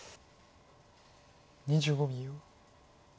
２５秒。